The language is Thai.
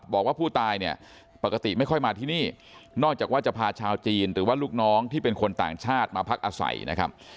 บอกว่าผู้ตายเนี่ยปกติไม่ค่อยมาที่นี่นอกจากว่าจะพาชาวจีนหรือว่าลูกน้องที่เป็นคนต่างชาติมาพักอาศัยนะครับ